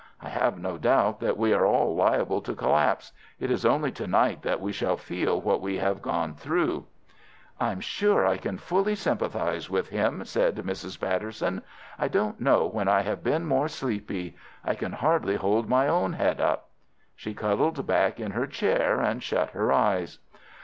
I have no doubt that we are all liable to collapse. It is only to night that we shall feel what we have gone through." "I'm sure I can fully sympathize with him," said Mrs. Patterson. "I don't know when I have been more sleepy. I can hardly hold my own head up." She cuddled back in her chair and shut her eyes.